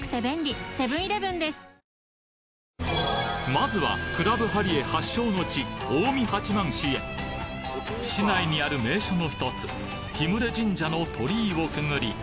まずはクラブハリエ発祥の地市内にある名所のひとつ日牟礼神社の鳥居をくぐり